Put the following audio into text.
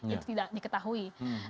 itu tidak diketahui